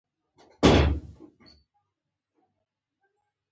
روغ زړګی د خوشحال ژوند نښه ده.